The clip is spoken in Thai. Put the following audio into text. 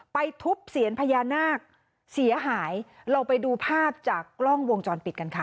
ทุบเสียญพญานาคเสียหายเราไปดูภาพจากกล้องวงจรปิดกันค่ะ